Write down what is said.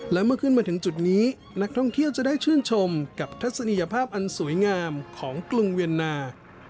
และเมื่อขึ้นมาถึงจุดนี้นักท่องเที่ยวจะได้ชื่นชมกับทัศนียภาพอันสวยงามของกรุงเวียนนา